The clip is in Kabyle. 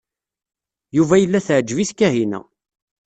Yuba yella teɛǧeb-it Kahina.